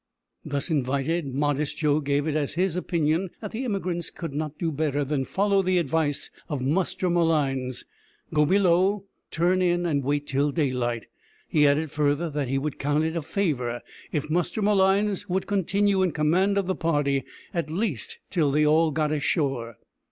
Thus invited, modest Joe gave it as his opinion that the emigrants could not do better than follow the advice of Muster Malines go below, turn in, and wait till daylight. He added further that he would count it a favour if Muster Malines would continue in command of the party, at least till they all got ashore.